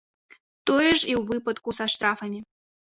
Тое ж і ў выпадку са штрафамі.